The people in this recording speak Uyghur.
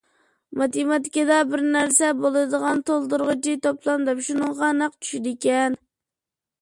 ماتېماتىكىدا بىر نەرسە بولىدىغان تولدۇرغۇچى توپلام دەپ، شۇنىڭغا نەق چۈشىدىكەن.